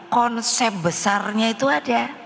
konsep besarnya itu ada